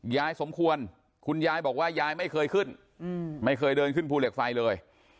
ยายสมควรคุณยายบอกว่ายายไม่เคยขึ้นไม่เคยเดินขึ้นภูเหล็กไฟเลย